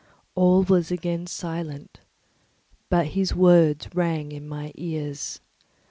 All was again silent, but his words rang in my ears.